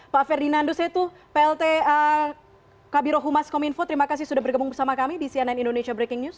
pak ferdinandu setu plt kabiro humas kominfo terima kasih sudah bergabung bersama kami di cnn indonesia breaking news